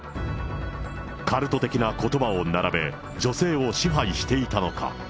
カルト的なことばを並べ、女性を支配していたのか。